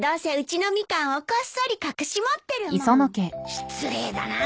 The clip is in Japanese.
失礼だな。